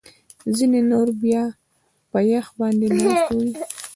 ځینې نور بیا په یخ باندې ناست وي